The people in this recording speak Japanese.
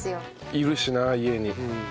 いるしな家に。